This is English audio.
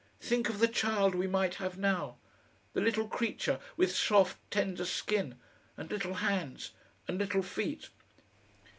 Think of the child we might have now! the little creature with soft, tender skin, and little hands and little feet!